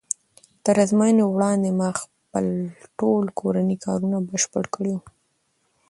تر ازموینې وړاندې ما خپل ټول کورني کارونه بشپړ کړي وو.